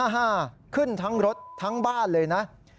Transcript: ฮ่าขึ้นทั้งรถทั้งบ้านเลยนะ